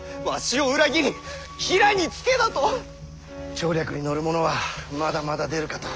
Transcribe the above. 調略に乗る者はまだまだ出るかと。